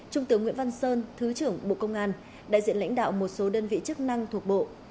trung tướng nguyễn văn sơn thứ trưởng bộ công an đại diện lãnh đạo một số đơn vị chức năng thuộc bộ